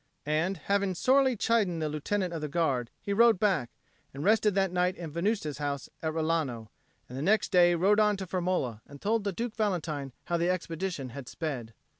And, having sorely chidden the Lieutenant of the Guard, he rode back, and rested that night in Venusta's house at Rilano, and the next day rode on to Firmola, and told Duke Valentine how the expedition had sped.